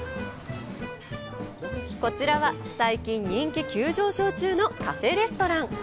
こちらは最近人気急上昇中のカフェレストラン。